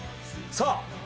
さあ！